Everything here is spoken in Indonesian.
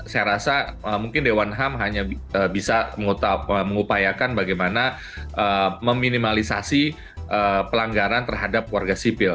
saya rasa mungkin dewan ham hanya bisa mengupayakan bagaimana meminimalisasi pelanggaran terhadap warga sipil